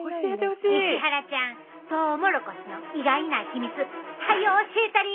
石原ちゃんトウモロコシの意外な秘密はよ教えたり！